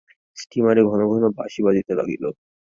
স্টীমারে ঘন ঘন বাঁশি বাজিতে লাগিল।